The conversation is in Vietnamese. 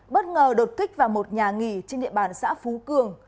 bất ngờ đột kích vào một nhà nghỉ trên địa bàn xã phú cường